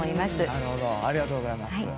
ありがとうございます。